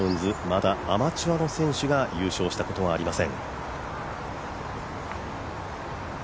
まだアマチュアの選手が優勝したことはありません。